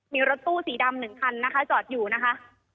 มีรถตู้สีดำ๑คันนะคะจอดอยู่นะคะ